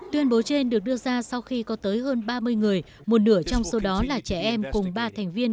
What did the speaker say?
tuyên bố trên được đưa ra sau khi có tới hơn ba mươi người một nửa trong số đó là trẻ em cùng ba thành viên